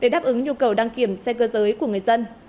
để đáp ứng nhu cầu đăng kiểm xe cơ giới của người dân